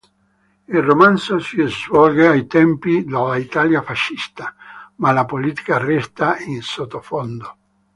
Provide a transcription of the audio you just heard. Il romanzo si svolge ai tempi dell’Italia fascista, ma la politica resta in sottofondo.